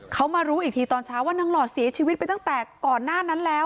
เขามารู้อีกทีตอนเช้าว่านางหลอดเสียชีวิตไปตั้งแต่ก่อนหน้านั้นแล้ว